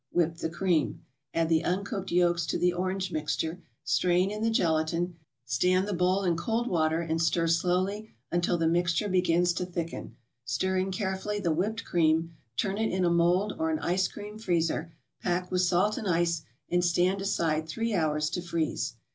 Whip the cream. Add the uncooked yolks to the orange mixture, strain in the gelatin, stand the bowl in cold water and stir slowly until the mixture begins to thicken; stir in carefully the whipped cream, turn it in a mold or an ice cream freezer, pack with salt and ice, and stand aside three hours to freeze.